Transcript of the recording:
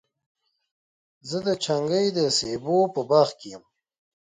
زه د چنګۍ د سېبو په باغ کي یم.